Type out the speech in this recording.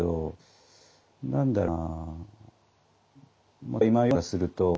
何だろうな。